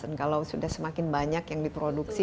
dan kalau sudah semakin banyak yang diproduksi